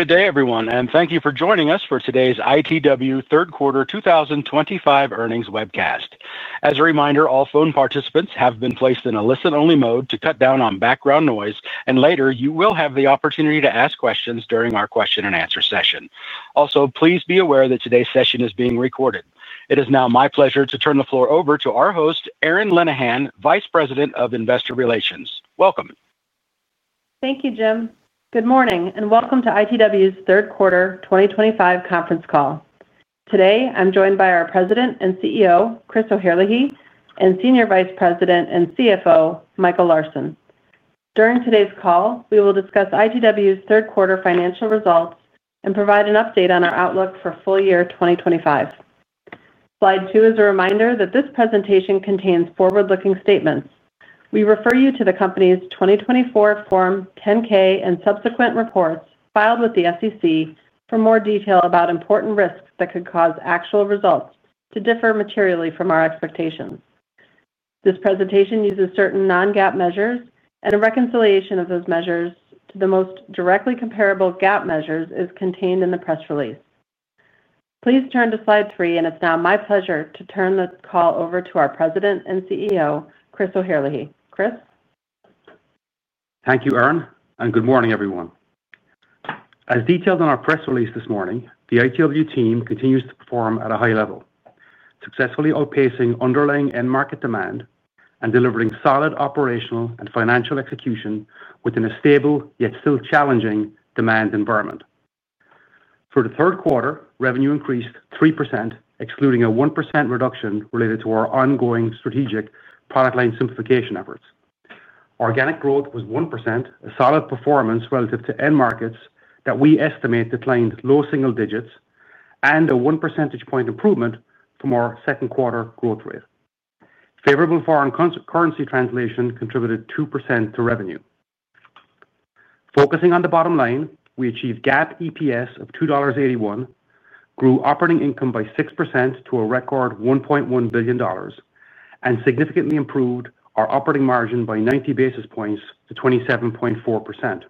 Good day, everyone, and thank you for joining us for today's ITW third quarter 2025 earnings webcast. As a reminder, all phone participants have been placed in a listen-only mode to cut down on background noise, and later you will have the opportunity to ask questions during our question and answer session. Also, please be aware that today's session is being recorded. It is now my pleasure to turn the floor over to our host, Erin Linnihan, Vice President of Investor Relations. Welcome. Thank you, Jim. Good morning and welcome to ITW's Third Quarter 2025 conference call. Today, I'm joined by our President and CEO, Chris O'Herlihy, and Senior Vice President and CFO, Michael Larsen. During today's call, we will discuss ITW's third quarter financial results and provide an update on our outlook for full year 2025. Slide 2 is a reminder that this presentation contains forward-looking statements. We refer you to the company's 2024 Form 10-K and subsequent reports filed with the SEC for more detail about important risks that could cause actual results to differ materially from our expectations. This presentation uses certain non-GAAP measures, and a reconciliation of those measures to the most directly comparable GAAP measures is contained in the press release. Please turn to slide 3, and it's now my pleasure to turn the call over to our President and CEO, Chris O'Herlihy. Chris? Thank you, Erin, and good morning, everyone. As detailed in our press release this morning, the ITW team continues to perform at a high level, successfully outpacing underlying end-market demand and delivering solid operational and financial execution within a stable yet still challenging demand environment. For the third quarter, revenue increased 3%, excluding a 1% reduction related to our ongoing strategic product line simplification efforts. Organic growth was 1%, a solid performance relative to end markets that we estimate declined low single digits and a 1 percentage point improvement from our second quarter growth rate. Favorable foreign currency translation contributed 2% to revenue. Focusing on the bottom line, we achieved GAAP EPS of $2.81, grew operating income by 6% to a record $1.1 billion, and significantly improved our operating margin by 90 basis points to 27.4%.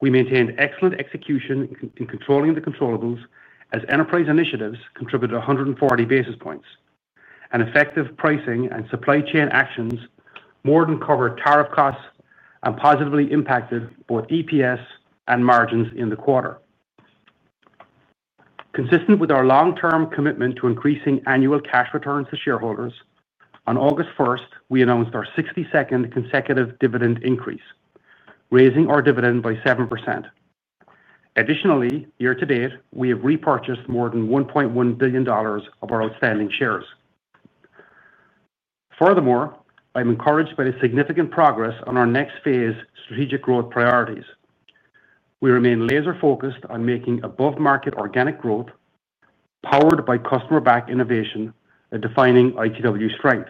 We maintained excellent execution in controlling the controllables as enterprise initiatives contributed 140 basis points, and effective pricing and supply chain actions more than covered tariff costs and positively impacted both EPS and margins in the quarter. Consistent with our long-term commitment to increasing annual cash returns to shareholders, on August 1, we announced our 62nd consecutive dividend increase, raising our dividend by 7%. Additionally, year to date, we have repurchased more than $1.1 billion of our outstanding shares. Furthermore, I'm encouraged by the significant progress on our next phase strategic growth priorities. We remain laser-focused on making above-market organic growth powered by customer-backed innovation a defining ITW strength.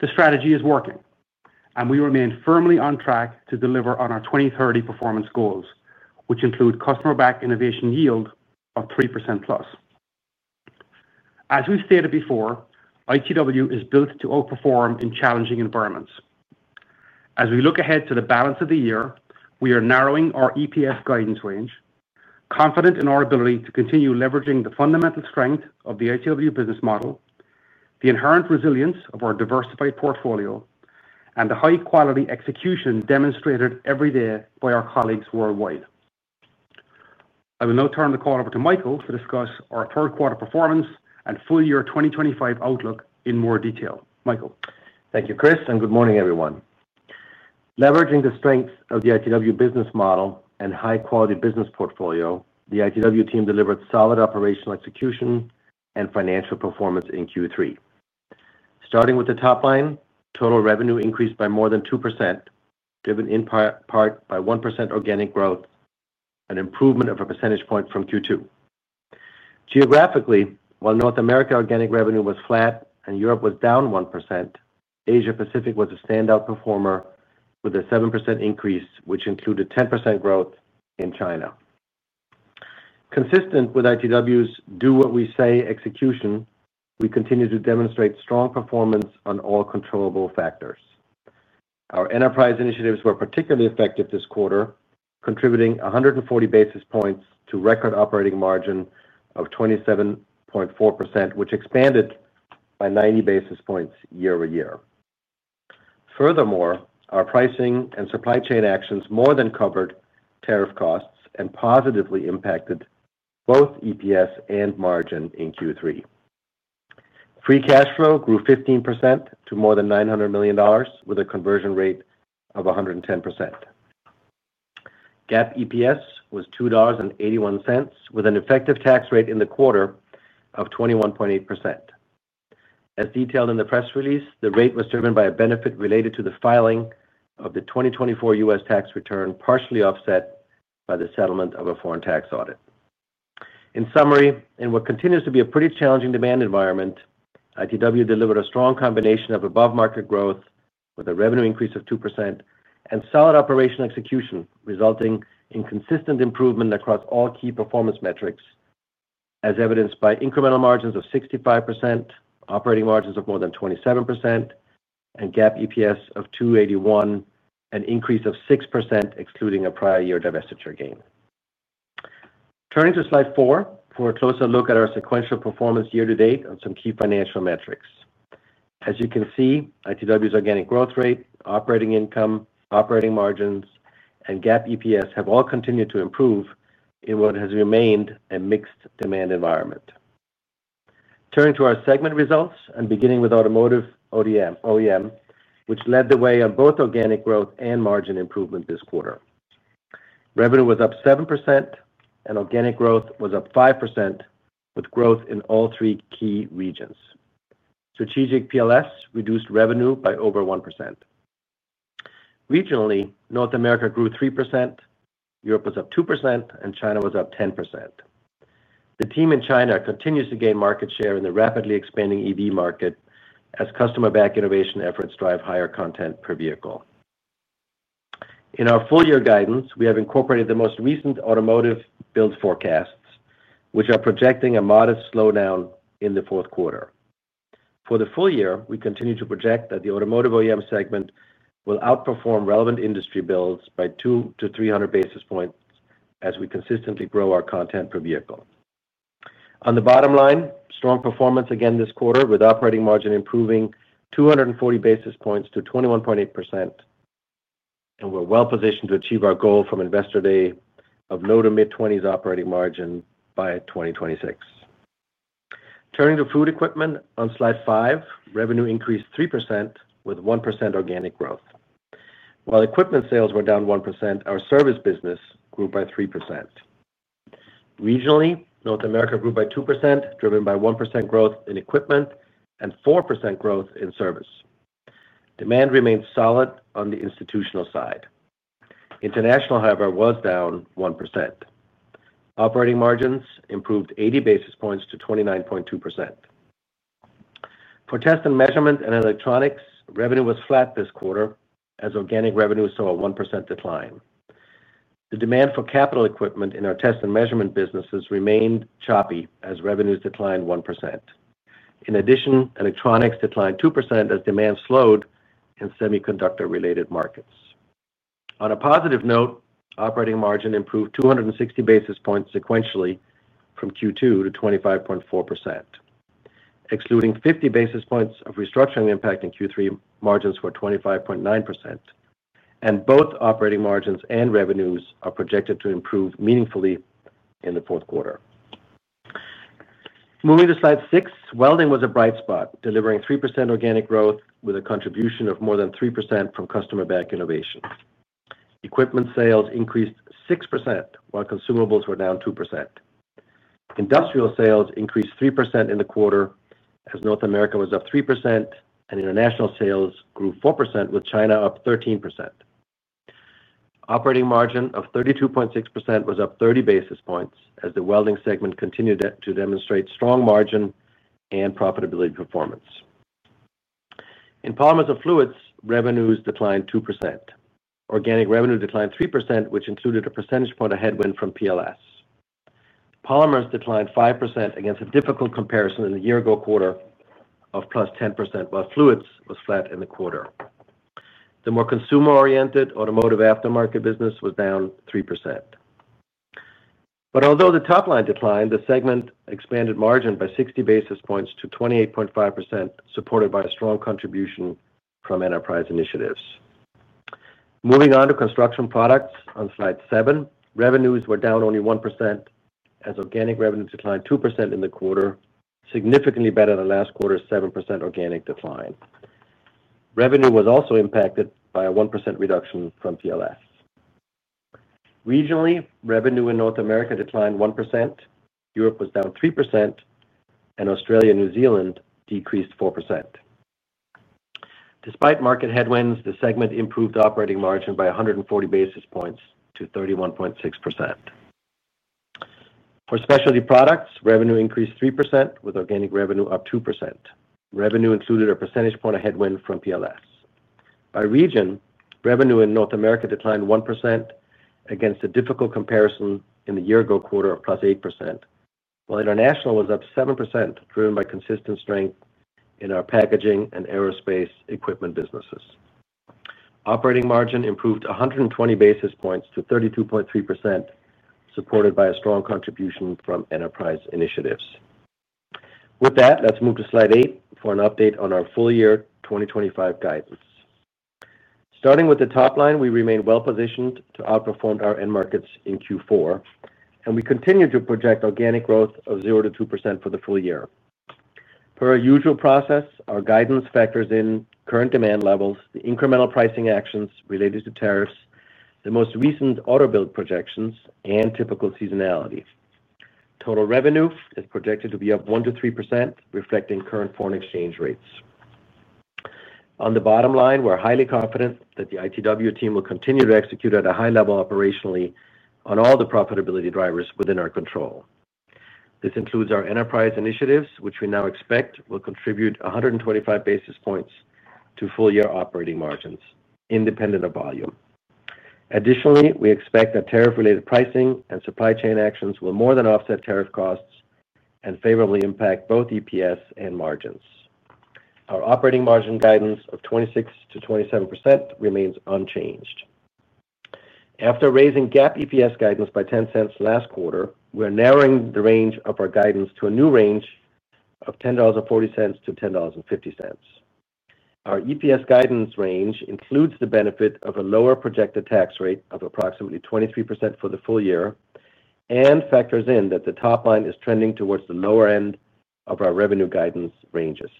The strategy is working, and we remain firmly on track to deliver on our 2030 performance goals, which include customer-backed innovation yield of 3%+. As we've stated before, ITW is built to outperform in challenging environments. As we look ahead to the balance of the year, we are narrowing our EPS guidance range, confident in our ability to continue leveraging the fundamental strength of the ITW business model, the inherent resilience of our diversified portfolio, and the high-quality execution demonstrated every day by our colleagues worldwide. I will now turn the call over to Michael to discuss our third quarter performance and full year 2025 outlook in more detail. Michael. Thank you, Chris, and good morning, everyone. Leveraging the strengths of the ITW business model and high-quality business portfolio, the ITW team delivered solid operational execution and financial performance in Q3. Starting with the top line, total revenue increased by more than 2%, driven in part by 1% organic growth, an improvement of a percentage point from Q2. Geographically, while North America organic revenue was flat and Europe was down 1%, Asia Pacific was a standout performer with a 7% increase, which included 10% growth in China. Consistent with ITW's do-what-we-say execution, we continue to demonstrate strong performance on all controllable factors. Our enterprise initiatives were particularly effective this quarter, contributing 140 basis points to a record operating margin of 27.4%, which expanded by 90 basis points year-over-year. Furthermore, our pricing and supply chain actions more than covered tariff costs and positively impacted both EPS and margin in Q3. Free cash flow grew 15% to more than $900 million, with a conversion rate of 110%. GAAP EPS was $2.81, with an effective tax rate in the quarter of 21.8%. As detailed in the press release, the rate was driven by a benefit related to the filing of the 2024 U.S. tax return, partially offset by the settlement of a foreign tax audit. In summary, in what continues to be a pretty challenging demand environment, ITW delivered a strong combination of above-market growth with a revenue increase of 2% and solid operational execution, resulting in consistent improvement across all key performance metrics, as evidenced by incremental margins of 65%, operating margins of more than 27%, and GAAP EPS of $2.81, an increase of 6%, excluding a prior year divestiture gain. Turning to slide 4 for a closer look at our sequential performance year to date on some key financial metrics. As you can see, ITW's organic growth rate, operating income, operating margins, and GAAP EPS have all continued to improve in what has remained a mixed demand environment. Turning to our segment results and beginning with automotive OEM, which led the way on both organic growth and margin improvement this quarter. Revenue was up 7%, and organic growth was up 5%, with growth in all three key regions. Strategic PLS reduced revenue by over 1%. Regionally, North America grew 3%, Europe was up 2%, and China was up 10%. The team in China continues to gain market share in the rapidly expanding electric vehicle market as customer-backed innovation efforts drive higher content per vehicle. In our full year guidance, we have incorporated the most recent automotive build forecasts, which are projecting a modest slowdown in the fourth quarter. For the full year, we continue to project that the automotive OEM segment will outperform relevant industry builds by 200-300 basis points as we consistently grow our content per vehicle. On the bottom line, strong performance again this quarter with operating margin improving 240 basis points to 21.8%, and we're well positioned to achieve our goal from Investor Day of low to mid-20s operating margin by 2026. Turning to food equipment, on slide 5, revenue increased 3% with 1% organic growth. While equipment sales were down 1%, our service business grew by 3%. Regionally, North America grew by 2%, driven by 1% growth in equipment and 4% growth in service. Demand remains solid on the institutional side. International, however, was down 1%. Operating margins improved 80 basis points to 29.2%. For test & measurement and electronics, revenue was flat this quarter as organic revenue saw a 1% decline. The demand for capital equipment in our test & measurement businesses remained choppy as revenues declined 1%. In addition, electronics declined 2% as demand slowed in semiconductor-related markets. On a positive note, operating margin improved 260 basis points sequentially from Q2 to 25.4%. Excluding 50 basis points of restructuring impact in Q3, margins were 25.9%, and both operating margins and revenues are projected to improve meaningfully in the fourth quarter. Moving to slide 6, welding was a bright spot, delivering 3% organic growth with a contribution of more than 3% from customer-backed innovation. Equipment sales increased 6% while consumables were down 2%. Industrial sales increased 3% in the quarter as North America was up 3% and international sales grew 4% with China up 13%. Operating margin of 32.6% was up 30 basis points as the welding segment continued to demonstrate strong margin and profitability performance. In polymers & fluids, revenues declined 2%. Organic revenue declined 3%, which included a percentage point headwind from PLS. Polymers declined 5% against a difficult comparison in the year-ago quarter of +10%, while fluids was flat in the quarter. The more consumer-oriented automotive aftermarket business was down 3%. Although the top line declined, the segment expanded margin by 60 basis points to 28.5%, supported by a strong contribution from enterprise initiatives. Moving on to construction products, on slide 7, revenues were down only 1% as organic revenues declined 2% in the quarter, significantly better than last quarter's 7% organic decline. Revenue was also impacted by a 1% reduction from PLS. Regionally, revenue in North America declined 1%, Europe was down 3%, and Australia and New Zealand decreased 4%. Despite market headwinds, the segment improved operating margin by 140 basis points to 31.6%. For specialty products, revenue increased 3% with organic revenue up 2%. Revenue included a percentage point headwind from PLS. By region, revenue in North America declined 1% against a difficult comparison in the year-ago quarter of +8%, while international was up 7%, driven by consistent strength in our packaging and aerospace equipment businesses. Operating margin improved 120 basis points to 32.3%, supported by a strong contribution from enterprise initiatives. With that, let's move to slide 8 for an update on our full year 2025 guidance. Starting with the top line, we remain well positioned to outperform our end markets in Q4, and we continue to project organic growth of 0%-2% for the full year. Per our usual process, our guidance factors in current demand levels, the incremental pricing actions related to tariffs, the most recent auto build projections, and typical seasonality. Total revenue is projected to be up 1%-3%, reflecting current foreign exchange rates. On the bottom line, we're highly confident that the ITW team will continue to execute at a high level operationally on all the profitability drivers within our control. This includes our enterprise initiatives, which we now expect will contribute 125 basis points to full year operating margins, independent of volume. Additionally, we expect that tariff-related pricing and supply chain actions will more than offset tariff costs and favorably impact both EPS and margins. Our operating margin guidance of 26%-27% remains unchanged. After raising GAAP EPS guidance by $0.10 last quarter, we are narrowing the range of our guidance to a new range of $10.40-$10.50. Our EPS guidance range includes the benefit of a lower projected tax rate of approximately 23% for the full year and factors in that the top line is trending towards the lower end of our revenue guidance ranges.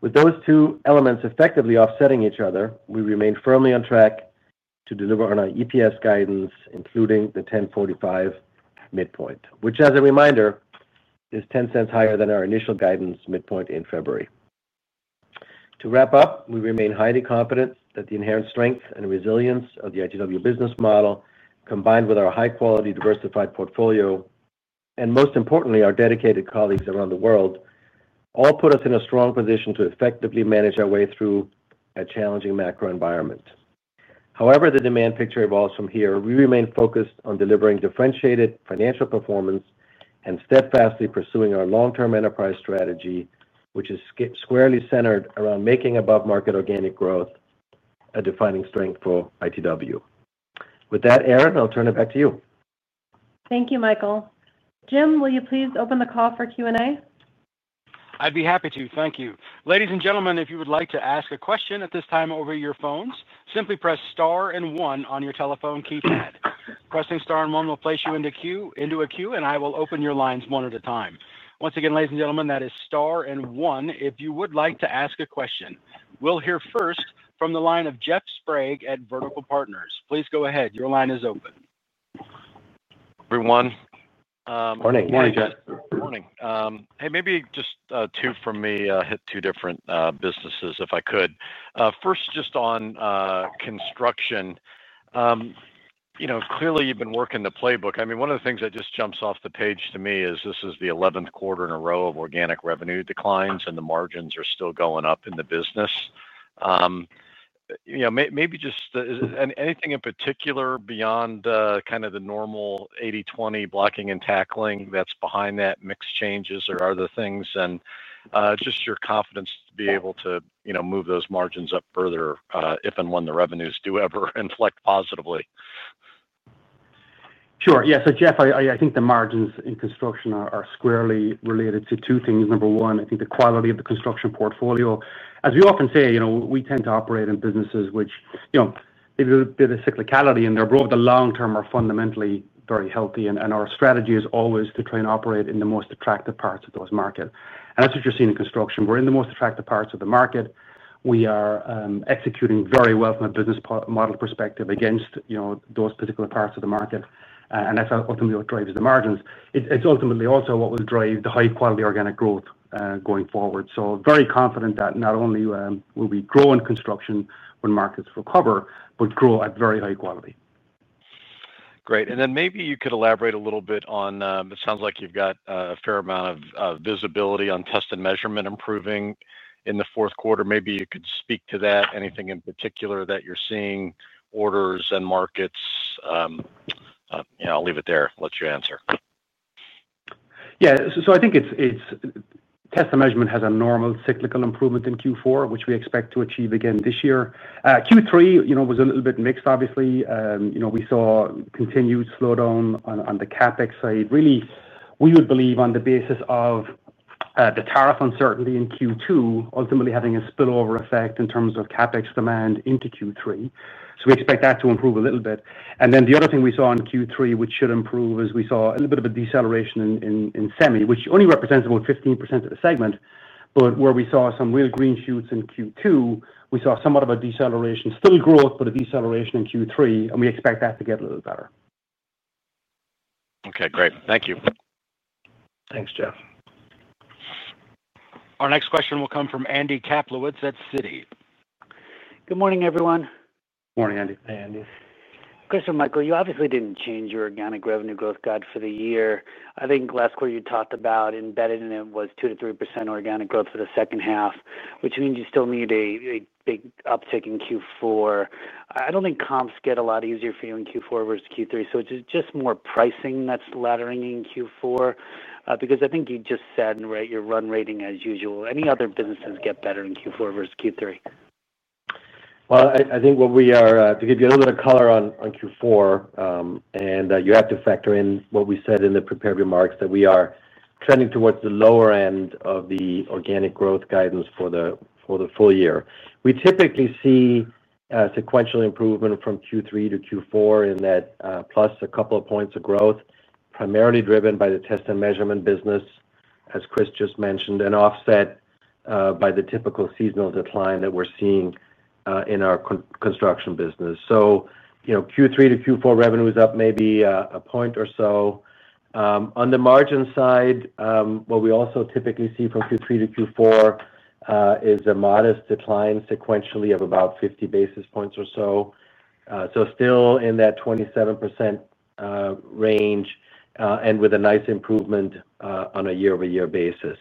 With those two elements effectively offsetting each other, we remain firmly on track to deliver on our EPS guidance, including the $10.45 midpoint, which, as a reminder, is $0.10 higher than our initial guidance midpoint in February. To wrap up, we remain highly confident that the inherent strength and resilience of the ITW business model, combined with our high-quality diversified portfolio and, most importantly, our dedicated colleagues around the world, all put us in a strong position to effectively manage our way through a challenging macro environment. However the demand picture evolves from here, we remain focused on delivering differentiated financial performance and steadfastly pursuing our long-term enterprise strategy, which is squarely centered around making above-market organic growth a defining strength for ITW. With that, Erin, I'll turn it back to you. Thank you, Michael. Jim, will you please open the call for Q&A? I'd be happy to. Thank you. Ladies and gentlemen, if you would like to ask a question at this time over your phones, simply press star and one on your telephone keypad. Pressing star and one will place you into a queue, and I will open your lines one at a time. Once again, ladies and gentlemen, that is star and one if you would like to ask a question. We'll hear first from the line of Jeff Sprague at Vertical Research Partners. Please go ahead. Your line is open. Morning everyone. Morning. Morning, Jeff. Morning. Maybe just two from me, hit two different businesses if I could. First, just on construction. Clearly you've been working the playbook. One of the things that just jumps off the page to me is this is the 11th quarter in a row of organic revenue declines and the margins are still going up in the business. Maybe just anything in particular beyond the kind of the normal 80/20 blocking and tackling that's behind that, mixed changes or other things, and just your confidence to be able to move those margins up further if and when the revenues do ever inflect positively. Sure. Yeah. So, Jeff, I think the margins in construction are squarely related to two things. Number one, I think the quality of the construction portfolio. As we often say, you know, we tend to operate in businesses which, you know, they've been a bit of a cyclicality in their growth. The long term are fundamentally very healthy, and our strategy is always to try and operate in the most attractive parts of those markets. That's what you're seeing in construction. We're in the most attractive parts of the market. We are executing very well from a business model perspective against those particular parts of the market. That's ultimately what drives the margins. It's ultimately also what will drive the high-quality organic growth going forward. Very confident that not only will we grow in construction when markets recover, but grow at very high quality. Great. Maybe you could elaborate a little bit on it sounds like you've got a fair amount of visibility on test & measurement improving in the fourth quarter. Maybe you could speak to that. Anything in particular that you're seeing orders and markets? I'll leave it there. Let you answer. Yeah. I think test & measurement has a normal cyclical improvement in Q4, which we expect to achieve again this year. Q3 was a little bit mixed, obviously. We saw continued slowdown on the CapEx side. Really, we would believe on the basis of the tariff uncertainty in Q2 ultimately having a spillover effect in terms of CapEx demand into Q3. We expect that to improve a little bit. The other thing we saw in Q3, which should improve, is we saw a little bit of a deceleration in semi, which only represents about 15% of the segment. Where we saw some real green shoots in Q2, we saw somewhat of a deceleration, still growth, but a deceleration in Q3, and we expect that to get a little better. Okay, great. Thank you. Thanks, Jeff. Our next question will come from Andy Kaplowicz at Citi. Good morning, everyone. Morning, Andy. Chris and Michael, you obviously didn't change your organic revenue growth guide for the year. I think last quarter you talked about embedded in it was 2%-% organic growth for the second half, which means you still need a big uptick in Q4. I don't think comps get a lot easier for you in Q4 versus Q3. Is it just more pricing that's laddering in Q4? I think you just said your run rating as usual. Any other businesses get better in Q4 versus Q3? I think what we are, to give you a little bit of color on Q4, and you have to factor in what we said in the prepared remarks that we are trending towards the lower end of the organic growth guidance for the full year. We typically see a sequential improvement from Q3 to Q4 in that plus a couple of points of growth, primarily driven by the test & measurement business, as Chris O'Herlihy just mentioned, and offset by the typical seasonal decline that we're seeing in our construction business. Q3 to Q4 revenue is up maybe a point or so. On the margin side, what we also typically see from Q3 to Q4 is a modest decline sequentially of about 50 basis points or so, still in that 27% range and with a nice improvement on a year-over-year basis.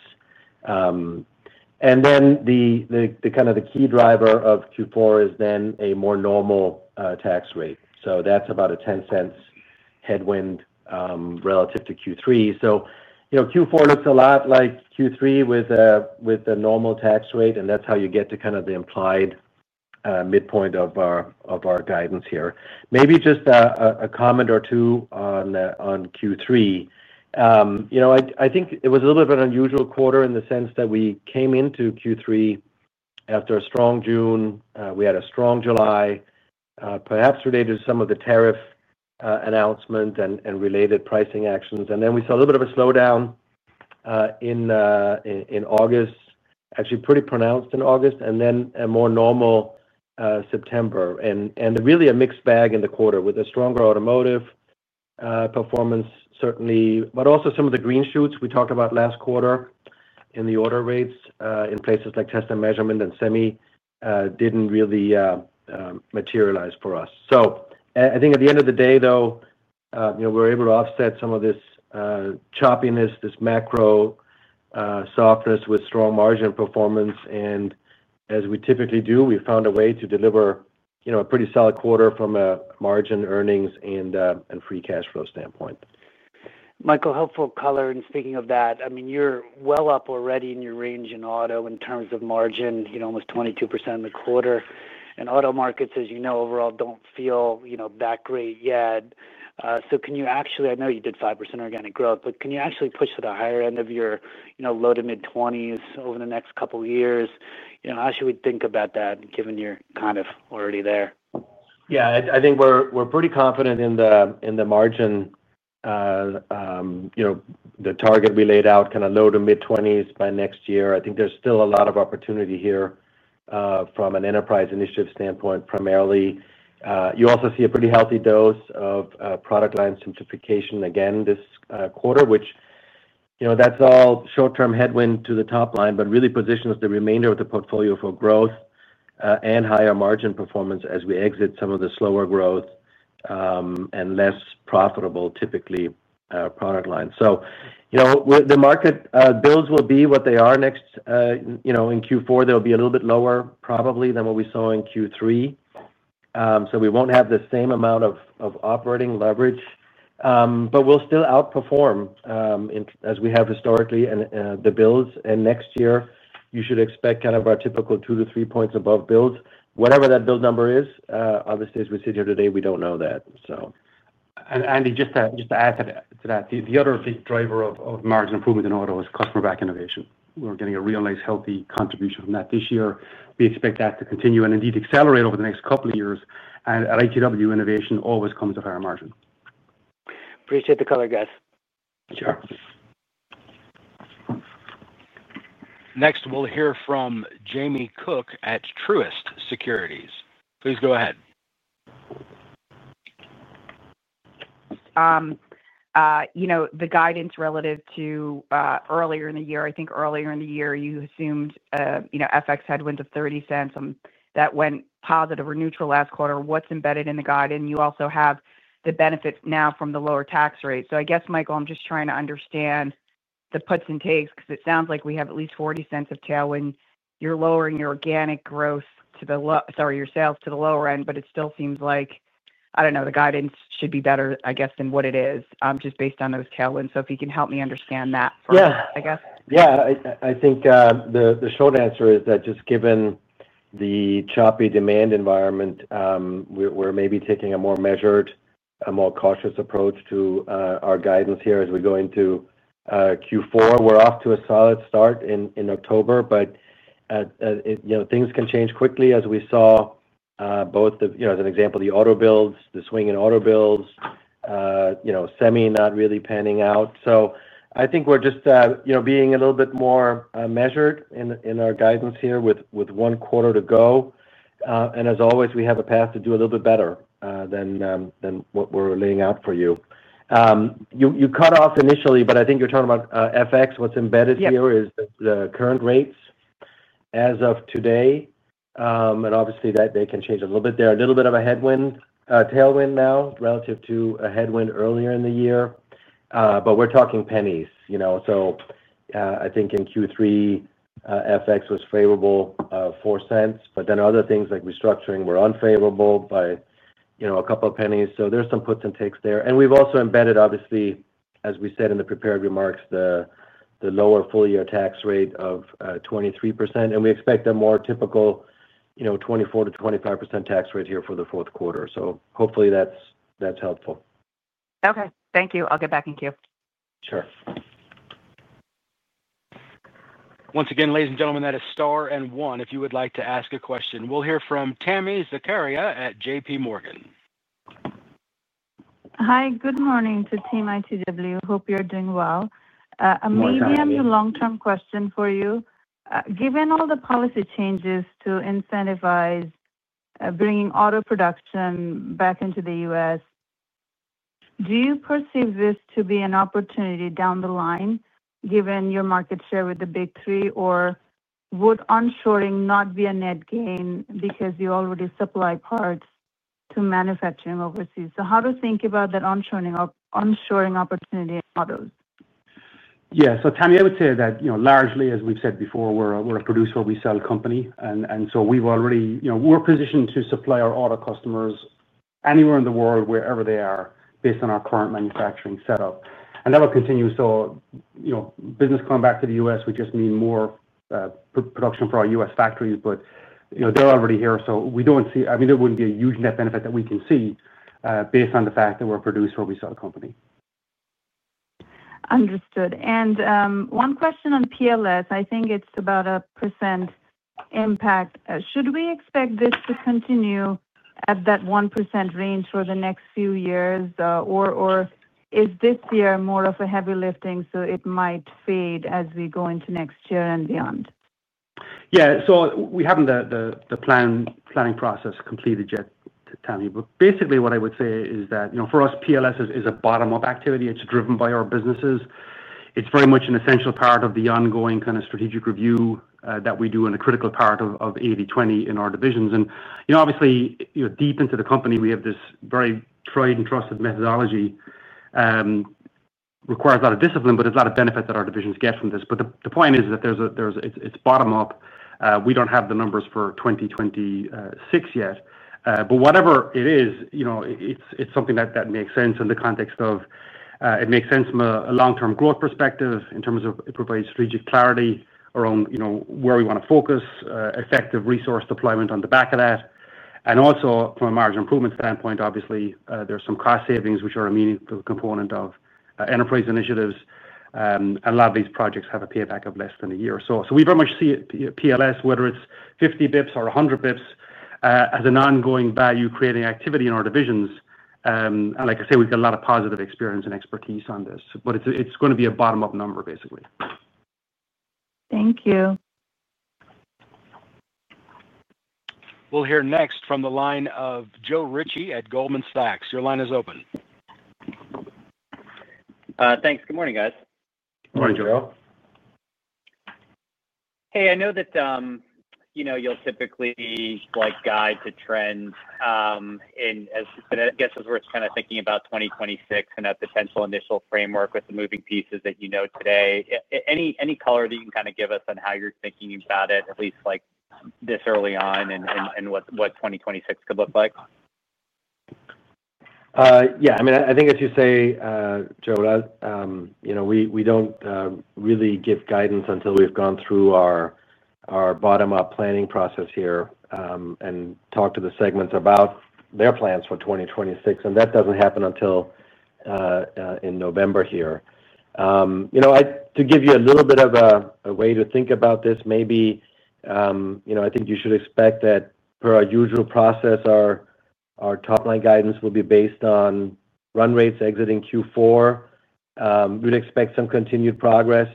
The key driver of Q4 is then a more normal tax rate. That's about a $0.10 headwind relative to Q3. Q4 looks a lot like Q3 with a normal tax rate, and that's how you get to the implied midpoint of our guidance here. Maybe just a comment or two on Q3. I think it was a little bit of an unusual quarter in the sense that we came into Q3 after a strong June. We had a strong July, perhaps related to some of the tariff announcements and related pricing actions. We saw a little bit of a slowdown in August, actually pretty pronounced in August, and then a more normal September. It was really a mixed bag in the quarter with a stronger automotive performance, certainly, but also some of the green shoots we talked about last quarter in the order rates in places like test & measurement and semi didn't really materialize for us. I think at the end of the day, though, we're able to offset some of this choppiness, this macro softness with strong margin performance. As we typically do, we found a way to deliver a pretty solid quarter from a margin, earnings, and free cash flow standpoint. Michael, helpful color. Speaking of that, I mean, you're well up already in your range in auto in terms of margin, you know, almost 22% in the quarter. Auto markets, as you know, overall don't feel, you know, that great yet. Can you actually, I know you did 5% organic growth, but can you actually push to the higher end of your, you know, low to mid-20% over the next couple of years? How should we think about that given you're kind of already there? Yeah, I think we're pretty confident in the margin, you know, the target we laid out, kind of low to mid-20% by next year. I think there's still a lot of opportunity here from an enterprise initiative standpoint primarily. You also see a pretty healthy dose of product line simplification again this quarter, which, you know, that's all short-term headwind to the top line, but really positions the remainder of the portfolio for growth and higher margin performance as we exit some of the slower growth and less profitable, typically, product lines. The market builds will be what they are next, you know, in Q4. They'll be a little bit lower probably than what we saw in Q3. We won't have the same amount of operating leverage, but we'll still outperform as we have historically in the builds. Next year, you should expect kind of our typical two to three points above builds. Whatever that build number is, obviously, as we sit here today, we don't know that. Andy, just to add to that, the other big driver of margin improvement in auto is customer-backed innovation. We're getting a real, nice, healthy contribution from that this year. We expect that to continue and indeed accelerate over the next couple of years. At ITW, innovation always comes with higher margin. Appreciate the color, guys. Sure. Next, we'll hear from Jamie Cook at Truist Securities. Please go ahead. The guidance relative to earlier in the year, I think earlier in the year you assumed, you know, FX headwind of $0.30 on that went positive or neutral last quarter. What's embedded in the guidance? You also have the benefits now from the lower tax rate. I guess, Michael, I'm just trying to understand the puts and takes because it sounds like we have at least $0.40 of tailwind. You're lowering your organic growth to the lower, sorry, your sales to the lower end, but it still seems like, I don't know, the guidance should be better, I guess, than what it is just based on those tailwinds. If you can help me understand that for us, I guess. Yeah, I think the short answer is that just given the choppy demand environment, we're maybe taking a more measured, a more cautious approach to our guidance here as we go into Q4. We're off to a solid start in October, but things can change quickly as we saw, for example, the auto builds, the swing in auto builds, semi not really panning out. I think we're just being a little bit more measured in our guidance here with one quarter to go. As always, we have a path to do a little bit better than what we're laying out for you. You cut off initially, but I think you're talking about FX. What's embedded here is the current rates as of today. Obviously, they can change a little bit. They're a little bit of a tailwind now relative to a headwind earlier in the year, but we're talking pennies. I think in Q3, FX was favorable, $0.04. Then other things like restructuring were unfavorable by a couple of pennies. There's some puts and takes there. We've also embedded, as we said in the prepared remarks, the lower full-year tax rate of 23%. We expect a more typical 24%-25% tax rate here for the fourth quarter. Hopefully, that's helpful. Okay, thank you. I'll get back in queue. Sure. Once again, ladies and gentlemen, that is star and one if you would like to ask a question. We'll hear from Tami Zakaria at JPMorgan. Hi. Good morning to Team ITW. Hope you're doing well. Good morning. A medium to long-term question for you. Given all the policy changes to incentivize bringing auto production back into the U.S., do you perceive this to be an opportunity down the line given your market share with the Big Three, or would onshoring not be a net gain because you already supply parts to manufacturing overseas? How should we think about that onshoring opportunity models? Yeah. Tammy, I would say that, you know, largely, as we've said before, we're a producer, we sell company. We've already, you know, we're positioned to supply our auto customers anywhere in the world, wherever they are, based on our current manufacturing setup. That will continue. Business coming back to the U.S. would just mean more production for our U.S. factories, but, you know, they're already here. We don't see, I mean, there wouldn't be a huge net benefit that we can see based on the fact that we're a producer, we sell company. Understood. One question on PLS. I think it's about a 1% impact. Should we expect this to continue at that 1% range for the next few years, or is this year more of a heavy lifting, so it might fade as we go into next year and beyond? Yeah. We haven't the planning process completed yet, Tami. What I would say is that, you know, for us, PLS is a bottom-up activity. It's driven by our businesses. It's very much an essential part of the ongoing kind of strategic review that we do and a critical part of 80/20 in our divisions. Obviously, you know, deep into the company, we have this very tried and trusted methodology. It requires a lot of discipline, but it's a lot of benefits that our divisions get from this. The point is that it's bottom-up. We don't have the numbers for 2026 yet. Whatever it is, you know, it's something that makes sense in the context of it makes sense from a long-term growth perspective in terms of it provides strategic clarity around, you know, where we want to focus, effective resource deployment on the back of that. Also, from a margin improvement standpoint, obviously, there's some cost savings, which are a meaningful component of enterprise initiatives. A lot of these projects have a payback of less than a year. We very much see PLS, whether it's 50 bps or 100 bps, as an ongoing value-creating activity in our divisions. Like I say, we've got a lot of positive experience and expertise on this. It's going to be a bottom-up number, basically. Thank you. We'll hear next from the line of Joe Ritchie at Goldman Sachs. Your line is open. Thanks. Good morning, guys. Morning, Joe. I know that you'll typically like guide to trends. I guess as we're kind of thinking about 2026 and that potential initial framework with the moving pieces that you know today, any color that you can kind of give us on how you're thinking about it, at least like this early on and what 2026 could look like? Yeah. I mean, I think as you say, Joe, you know, we don't really give guidance until we've gone through our bottom-up planning process here and talked to the segments about their plans for 2026. That doesn't happen until in November here. To give you a little bit of a way to think about this, maybe, you know, I think you should expect that per our usual process, our top-line guidance will be based on run rates exiting Q4. We'd expect some continued progress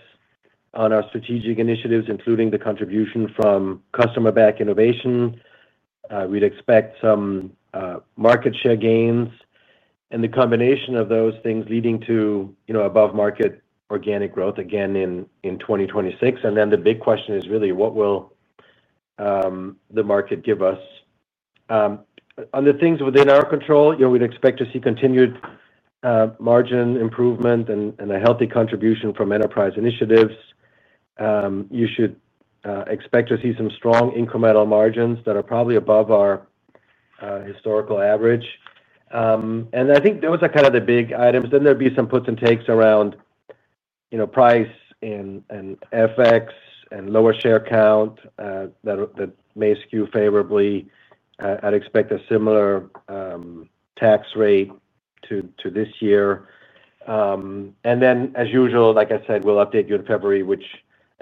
on our strategic initiatives, including the contribution from customer-backed innovation. We'd expect some market share gains and the combination of those things leading to, you know, above-market organic growth again in 2026. The big question is really what will the market give us. On the things within our control, you know, we'd expect to see continued margin improvement and a healthy contribution from enterprise initiatives. You should expect to see some strong incremental margins that are probably above our historical average. I think those are kind of the big items. There'd be some puts and takes around, you know, price and FX and lower share count that may skew favorably. I'd expect a similar tax rate to this year. As usual, like I said, we'll update you in February, which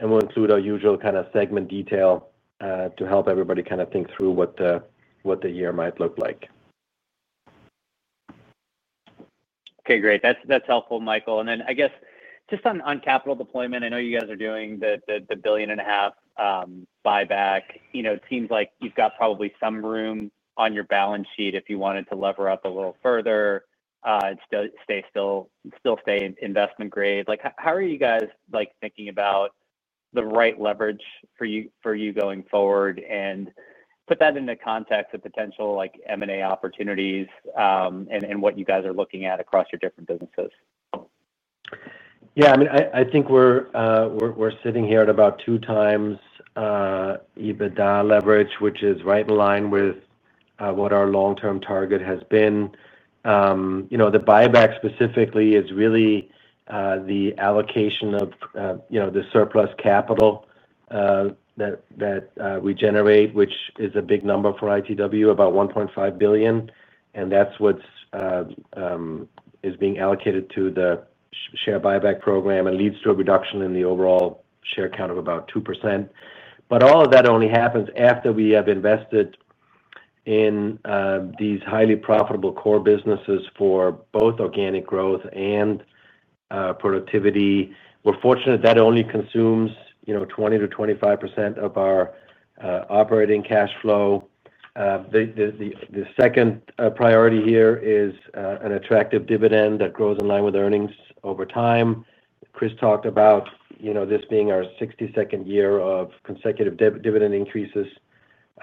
will include our usual kind of segment detail to help everybody kind of think through what the year might look like. Okay, great. That's helpful, Michael. I guess just on capital deployment, I know you guys are doing the $1.5 billion buyback. It seems like you've got probably some room on your balance sheet if you wanted to lever up a little further and still stay investment grade. How are you guys thinking about the right leverage for you going forward and put that into context of potential M&A opportunities and what you guys are looking at across your different businesses? Yeah. I mean, I think we're sitting here at about 2x EBITDA leverage, which is right in line with what our long-term target has been. The buyback specifically is really the allocation of the surplus capital that we generate, which is a big number for ITW, about $1.5 billion. That's what is being allocated to the share buyback program and leads to a reduction in the overall share count of about 2%. All of that only happens after we have invested in these highly profitable core businesses for both organic growth and productivity. We're fortunate that only consumes 20%-25% of our operating cash flow. The second priority here is an attractive dividend that grows in line with earnings over time. Chris talked about this being our 62nd year of consecutive dividend increases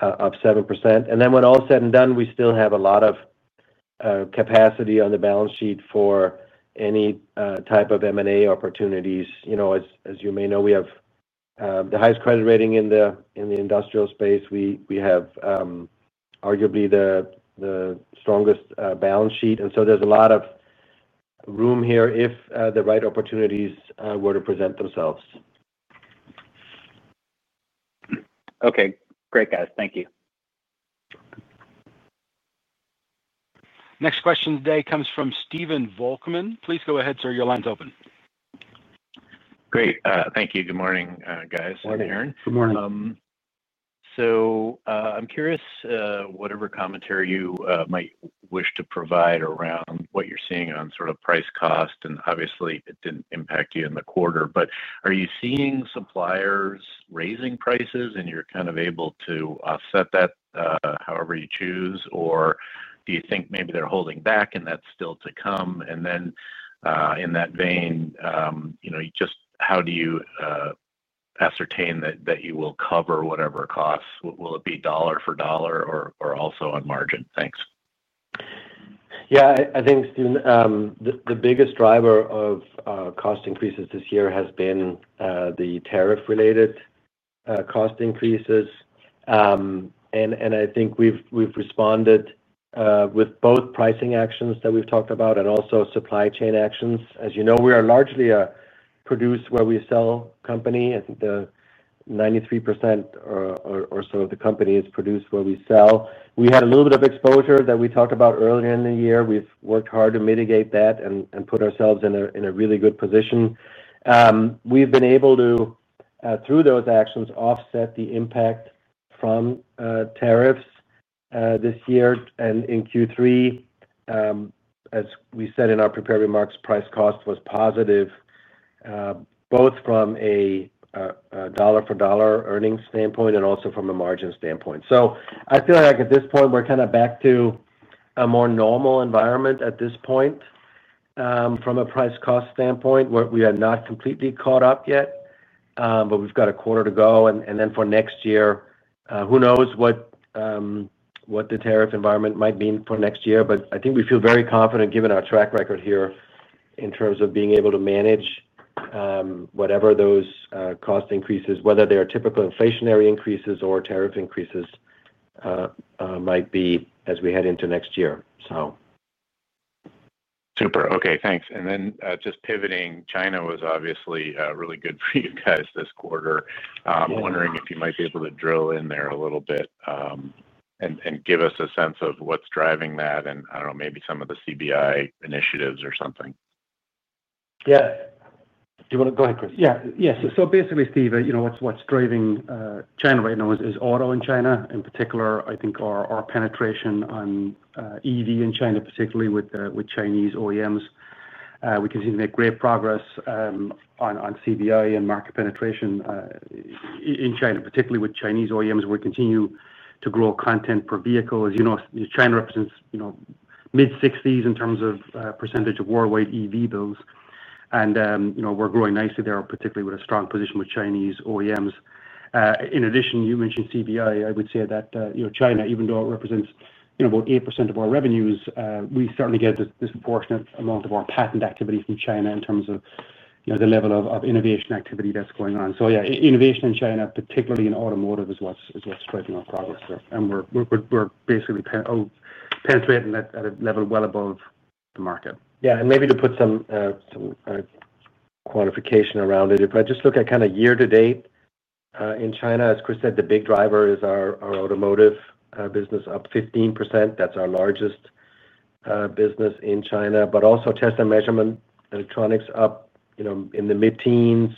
of 7%. When all is said and done, we still have a lot of capacity on the balance sheet for any type of M&A opportunities. As you may know, we have the highest credit rating in the industrial space. We have arguably the strongest balance sheet, so there's a lot of room here if the right opportunities were to present themselves. Okay. Great, guys. Thank you. Next question today comes from Stephen Volkmann. Please go ahead, sir. Your line's open. Great. Thank you. Good morning, guys. Morning. Good morning. I'm curious whatever commentary you might wish to provide around what you're seeing on sort of price cost. Obviously, it didn't impact you in the quarter, but are you seeing suppliers raising prices and you're kind of able to offset that however you choose, or do you think maybe they're holding back and that's still to come? In that vein, you know, just how do you ascertain that you will cover whatever costs? Will it be dollar for dollar or also on margin? Thanks? Yeah. I think, Stephen, the biggest driver of cost increases this year has been the tariff-related cost increases. I think we've responded with both pricing actions that we've talked about and also supply chain actions. As you know, we are largely a produce where we sell company. I think 93% or so of the company is produced where we sell. We had a little bit of exposure that we talked about earlier in the year. We've worked hard to mitigate that and put ourselves in a really good position. We've been able to, through those actions, offset the impact from tariffs this year. In Q3, as we said in our prepared remarks, price cost was positive both from a dollar-for-dollar earnings standpoint and also from a margin standpoint. I feel like at this point, we're kind of back to a more normal environment at this point from a price cost standpoint. We are not completely caught up yet, but we've got a quarter to go. For next year, who knows what the tariff environment might mean for next year. I think we feel very confident given our track record here in terms of being able to manage whatever those cost increases, whether they are typical inflationary increases or tariff increases, might be as we head into next year. Super. Okay. Thanks. Just pivoting, China was obviously really good for you guys this quarter. I'm wondering if you might be able to drill in there a little bit and give us a sense of what's driving that and maybe some of the customer-backed innovation initiatives or something. Yeah. Do you want to go ahead, Chris? Yeah. Yeah. Basically, Steve, what's driving China right now is auto in China. In particular, I think our penetration on EV in China, particularly with Chinese OEMs, we continue to make great progress on CBI and market penetration in China, particularly with Chinese OEMs. We continue to grow content per vehicle. As you know, China represents mid-60s in terms of percentage of worldwide EV builds, and we're growing nicely there, particularly with a strong position with Chinese OEMs. In addition, you mentioned CBI. I would say that China, even though it represents about 8% of our revenues, we certainly get this disproportionate amount of our patent activity from China in terms of the level of innovation activity that's going on. Yeah, innovation in China, particularly in automotive, is what's driving our progress here. We're basically penetrating at a level well above the market. Yeah. Maybe to put some qualification around it, if I just look at kind of year-to-date in China, as Chris O'Herlihy said, the big driver is our automotive business, up 15%. That's our largest business in China. Also, Test & Measurement electronics up in the mid-teens.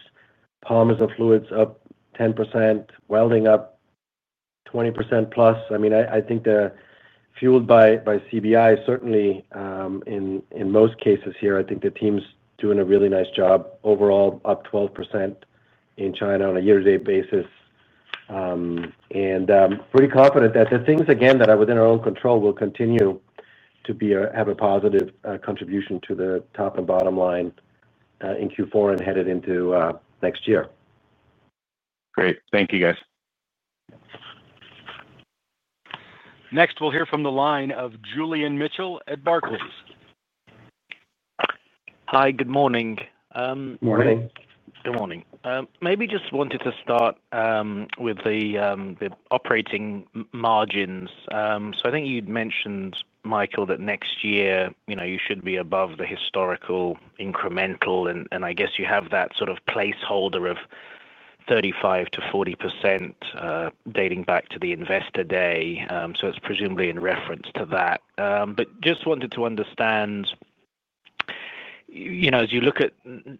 Polymers & Fluids up 10%. Welding up 20%+. I think fueled by customer-backed innovation certainly in most cases here, I think the team's doing a really nice job. Overall, up 12% in China on a year-to-date basis. I'm pretty confident that the things, again, that are within our own control will continue to have a positive contribution to the top and bottom line in Q4 and headed into next year. Great. Thank you, guys. Next, we'll hear from the line of Julian Mitchell at Barclays. Hi, good morning. Morning. Good morning. Maybe just wanted to start with the operating margins. I think you'd mentioned, Michael, that next year, you should be above the historical incremental. I guess you have that sort of placeholder of 35%-40% dating back to the Investor Day. It is presumably in reference to that. Just wanted to understand, as you look at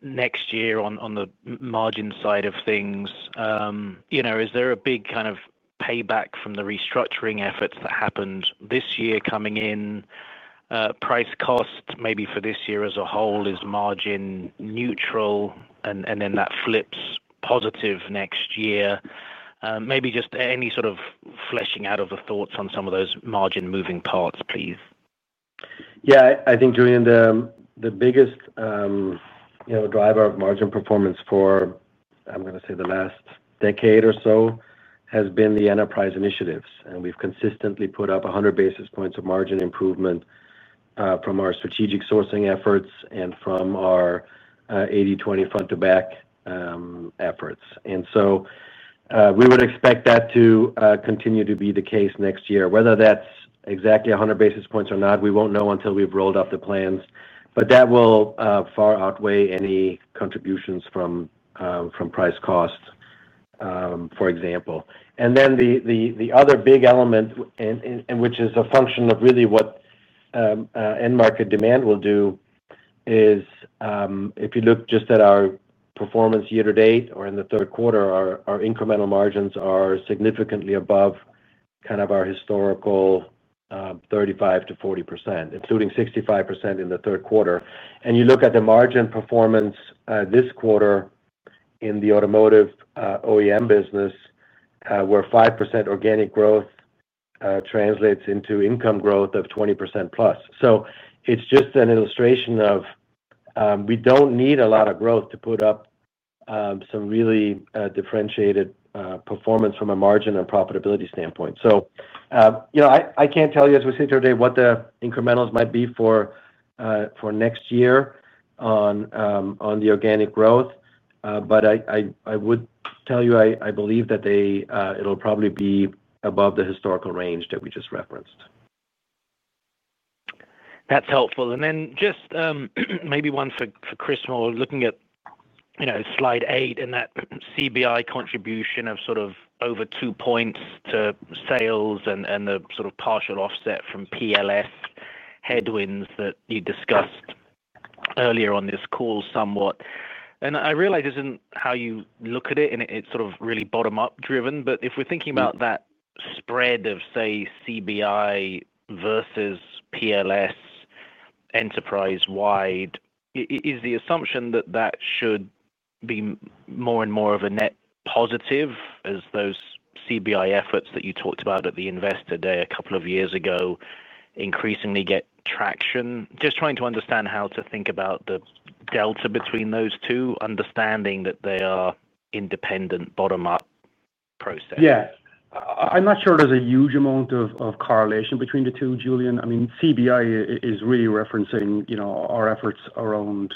next year on the margin side of things, is there a big kind of payback from the restructuring efforts that happened this year coming in? Price cost maybe for this year as a whole is margin neutral, and then that flips positive next year? Maybe just any sort of fleshing out of the thoughts on some of those margin moving parts, please. Yeah. I think, Julian, the biggest driver of margin performance for, I'm going to say, the last decade or so has been the enterprise initiatives. We've consistently put up 100 basis points of margin improvement from our strategic sourcing efforts and from our 80/20 front-to-back efforts. We would expect that to continue to be the case next year. Whether that's exactly 100 basis points or not, we won't know until we've rolled out the plans. That will far outweigh any contributions from price costs, for example. The other big element, which is a function of really what end market demand will do, is if you look just at our performance year-to-date or in the third quarter, our incremental margins are significantly above kind of our historical 35%-40%, including 65% in the third quarter. You look at the margin performance this quarter in the automotive OEM business, where 5% organic growth translates into income growth of 20%+. It's just an illustration of we don't need a lot of growth to put up some really differentiated performance from a margin and profitability standpoint. I can't tell you, as we sit here today, what the incrementals might be for next year on the organic growth. I would tell you, I believe that it'll probably be above the historical range that we just referenced. That's helpful. Just maybe one for Chris, more looking at, you know, slide eight and that CBI contribution of sort of over two points to sales and the sort of partial offset from PLS headwinds that you discussed earlier on this call somewhat. I realize this isn't how you look at it, and it's sort of really bottom-up driven. If we're thinking about that spread of, say, CBI versus PLS enterprise-wide, is the assumption that that should be more and more of a net positive as those CBI efforts that you talked about at the Investor Day a couple of years ago increasingly get traction? Just trying to understand how to think about the delta between those two, understanding that they are independent bottom-up processes. Yeah. I'm not sure there's a huge amount of correlation between the two, Julian. I mean, CBI is really referencing, you know, our efforts around,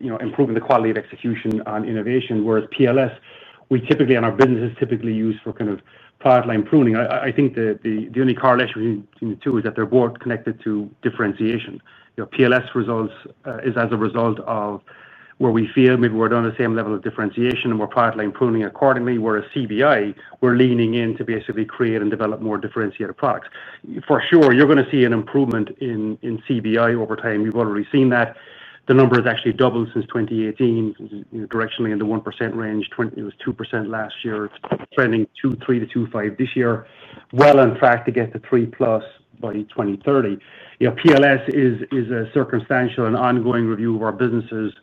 you know, improving the quality of execution on innovation, whereas PLS, we typically, and our businesses typically use for kind of product line pruning. I think the only correlation between the two is that they're both connected to differentiation. PLS results as a result of where we feel maybe we're not on the same level of differentiation and we're product line pruning accordingly, whereas CBI, we're leaning in to basically create and develop more differentiated products. For sure, you're going to see an improvement in CBI over time. We've already seen that. The number has actually doubled since 2018, directionally in the 1% range. It was 2% last year, trending 2.3%-2.5% this year, well on track to get to 3%+ by 2030. PLS is a circumstantial and ongoing review of our businesses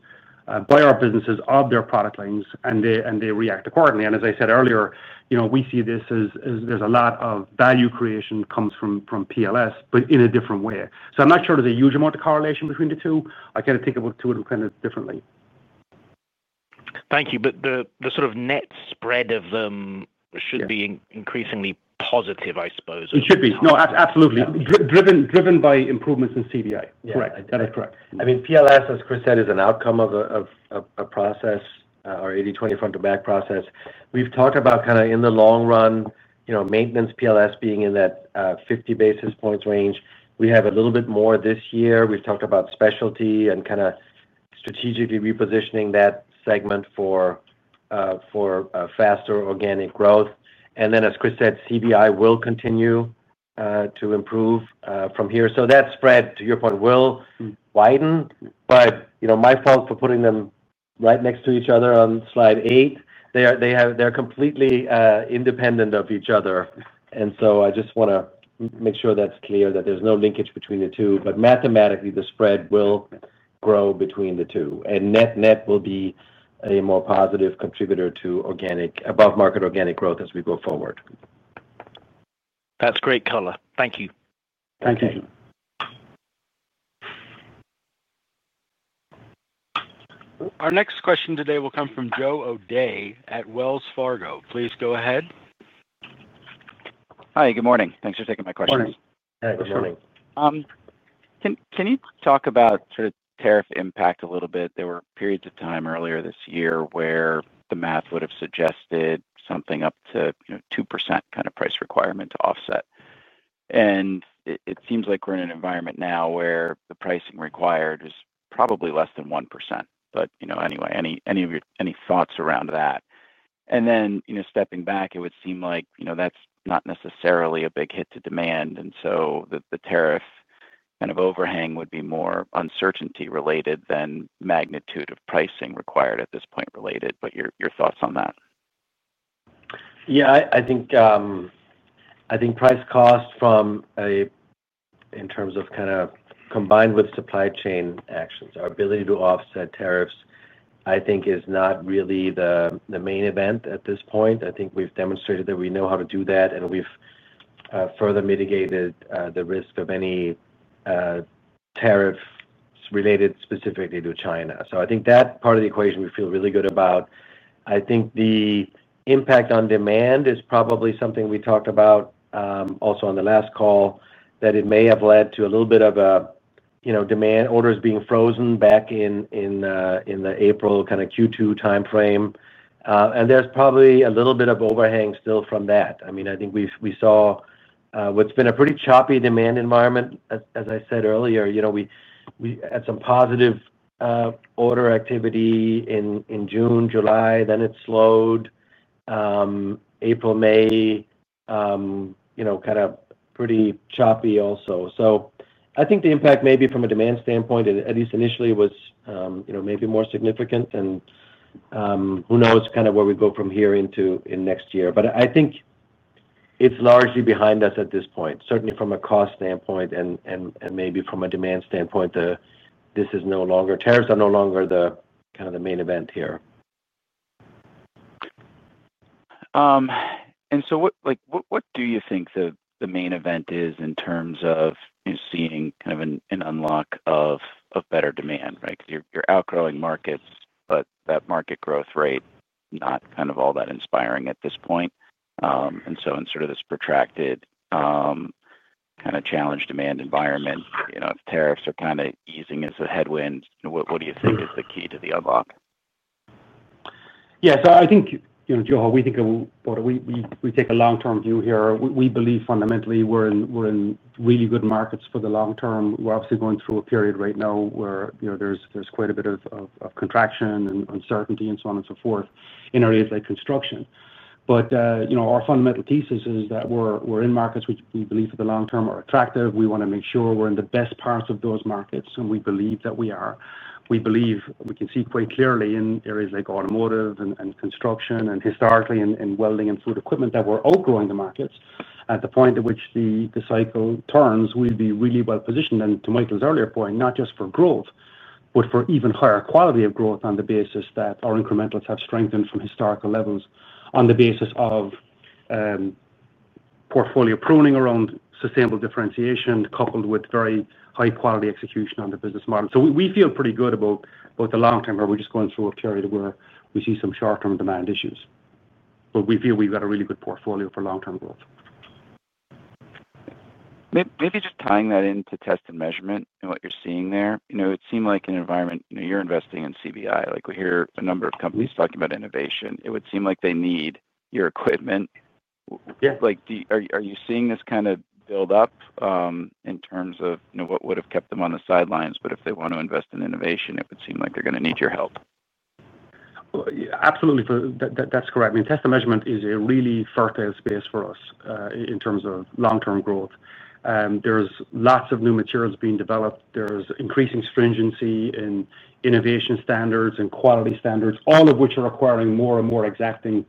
by our businesses of their product lines, and they react accordingly. As I said earlier, you know, we see this as there's a lot of value creation that comes from PLS, but in a different way. I'm not sure there's a huge amount of correlation between the two. I kind of take a look to it kind of differently. Thank you. The sort of net spread of them should be increasingly positive, I suppose. It should be. No, absolutely. Driven by improvements in CBI. Correct. That is correct. I mean, PLS, as Chris said, is an outcome of a process, our 80/20 front-to-back process. We've talked about, in the long run, maintenance PLS being in that 50 basis points range. We have a little bit more this year. We've talked about specialty and strategically repositioning that segment for faster organic growth. As Chris said, CBI will continue to improve from here. That spread, to your point, will widen. My fault for putting them right next to each other on slide eight. They're completely independent of each other. I just want to make sure that's clear that there's no linkage between the two. Mathematically, the spread will grow between the two, and net net will be a more positive contributor to above-market organic growth as we go forward. That's great color. Thank you. Thank you. Our next question today will come from Joe O'Dea at Wells Fargo. Please go ahead. Hi. Good morning. Thanks for taking my question. Morning. Good morning. Can you talk about sort of tariff impact a little bit? There were periods of time earlier this year where the math would have suggested something up to 2% kind of price requirement to offset. It seems like we're in an environment now where the pricing required is probably less than 1%. Anyway, any thoughts around that? Stepping back, it would seem like that's not necessarily a big hit to demand. The tariff kind of overhang would be more uncertainty related than magnitude of pricing required at this point. Your thoughts on that? Yeah. I think price cost from a, in terms of kind of combined with supply chain actions, our ability to offset tariffs, I think, is not really the main event at this point. I think we've demonstrated that we know how to do that, and we've further mitigated the risk of any tariffs related specifically to China. I think that part of the equation we feel really good about. I think the impact on demand is probably something we talked about also on the last call, that it may have led to a little bit of a demand orders being frozen back in the April kind of Q2 timeframe. There's probably a little bit of overhang still from that. I think we saw what's been a pretty choppy demand environment. As I said earlier, we had some positive order activity in June, July. It slowed April, May, kind of pretty choppy also. I think the impact maybe from a demand standpoint, at least initially, was maybe more significant. Who knows kind of where we go from here into next year. I think it's largely behind us at this point, certainly from a cost standpoint and maybe from a demand standpoint, that this is no longer, tariffs are no longer the main event here. What do you think the main event is in terms of seeing kind of an unlock of better demand, right? You're outgrowing markets, but that market growth rate is not kind of all that inspiring at this point. In sort of this protracted kind of challenged demand environment, if tariffs are kind of easing as a headwind, what do you think is the key to the unlock? Yeah. I think, you know, Joe, how we think of what we take a long-term view here. We believe fundamentally we're in really good markets for the long term. We're obviously going through a period right now where there's quite a bit of contraction and uncertainty and so on and so forth in areas like construction. Our fundamental thesis is that we're in markets which we believe for the long term are attractive. We want to make sure we're in the best parts of those markets, and we believe that we are. We believe we can see quite clearly in areas like automotive and construction and historically in welding and fluid equipment that we're outgrowing the markets. At the point at which the cycle turns, we'd be really well positioned. To Michael's earlier point, not just for growth, but for even higher quality of growth on the basis that our incrementals have strengthened from historical levels on the basis of portfolio pruning around sustainable differentiation coupled with very high-quality execution on the business model. We feel pretty good about the long term. Are we just going through a period where we see some short-term demand issues? We feel we've got a really good portfolio for long-term growth. Maybe just tying that into test & measurement and what you're seeing there. It seemed like an environment, you're investing in customer-backed innovation. Like we hear a number of companies talking about innovation. It would seem like they need your equipment. Are you seeing this kind of build-up in terms of what would have kept them on the sidelines? If they want to invest in innovation, it would seem like they're going to need your help. Absolutely. That's correct. I mean, Test & Measurement is a really fertile space for us in terms of long-term growth. There are lots of new materials being developed. There is increasing stringency in innovation standards and quality standards, all of which are requiring more and more exacting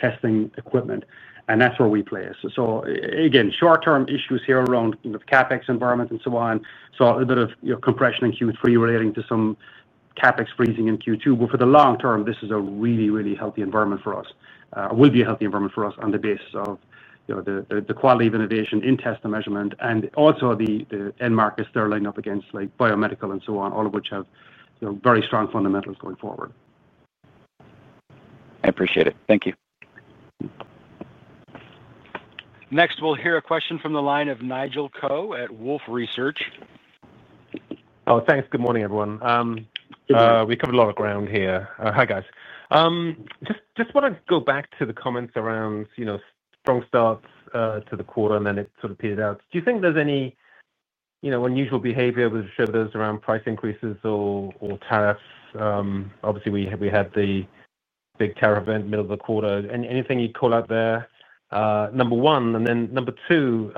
testing equipment. That's where we place. Short-term issues here around the CapEx environment and so on mean a little bit of compression in Q3 relating to some CapEx freezing in Q2. For the long term, this is a really, really healthy environment for us. It will be a healthy environment for us on the basis of the quality of innovation in test & measurement and also the end markets they're lining up against, like biomedical and so on, all of which have very strong fundamentals going forward. I appreciate it. Thank you. Next, we'll hear a question from the line of Nigel Coe at Wolfe Research. Oh, thanks. Good morning, everyone. Good morning. We covered a lot of ground here. Hi, guys. Just want to go back to the comments around, you know, strong starts to the quarter, and then it sort of petered out. Do you think there's any, you know, unusual behavior with shareholders around price increases or tariffs? Obviously, we had the big tariff event middle of the quarter. Anything you'd call out there? Number one. Number two,